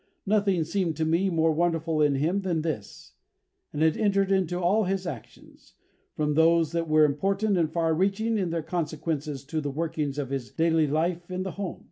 Nothing seemed to me more wonderful in him than this; and it entered into all his actions, from those that were important and far reaching in their consequences to the workings of his daily life in the home.